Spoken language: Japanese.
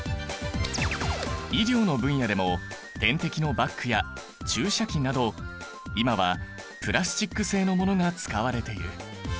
医療の分野でも点滴のバッグや注射器など今はプラスチック製のものが使われている。